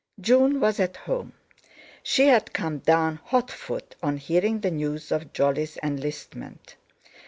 June was at home; she had come down hotfoot on hearing the news of Jolly's enlistment.